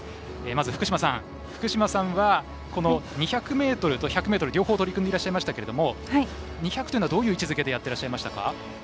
まず、福島さんは２００ｍと１００ｍ両方取り組んでいらっしゃいましたが２００というのはどういう位置づけでやってらっしゃいましたか？